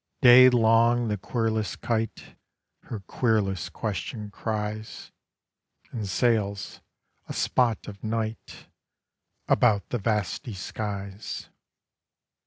Day long the querulous kite Her querulous question cries, And sails, a spot of night, About the vasty skies.